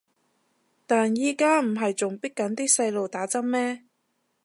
但而家唔係仲迫緊啲細路打針咩